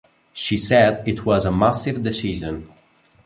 She said It was a massive decision.